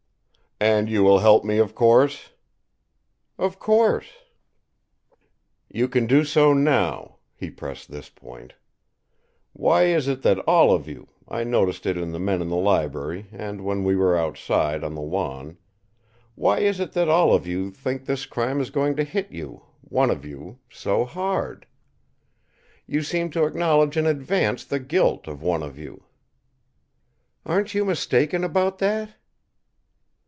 "And you will help me, of course." "Of course." "You can do so now," he pressed this point. "Why is it that all of you I noticed it in the men in the library, and when we were outside, on the lawn why is it that all of you think this crime is going to hit you, one of you, so hard? You seem to acknowledge in advance the guilt of one of you." "Aren't you mistaken about that?"